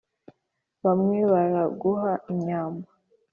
Bamwe baraguha inyambo